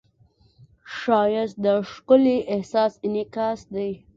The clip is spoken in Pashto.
ښایست د ښکلي احساس انعکاس دی